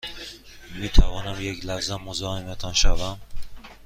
می توانم یک لحظه مزاحمتان شوم؟